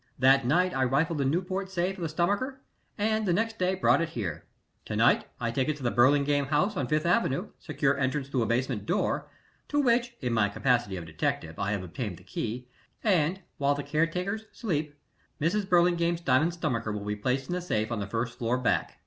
That night I rifled the Newport safe of the stomacher, and the next day brought it here. To night I take it to the Burlingame house on Fifth Avenue, secure entrance through a basement door, to which, in my capacity of detective, I have obtained the key, and, while the caretakers sleep, Mrs. Burlingame's diamond stomacher will be placed in the safe on the first floor back.